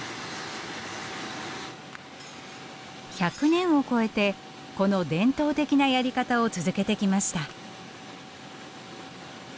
１００年を超えてこの伝統的なやり方を続けてきました。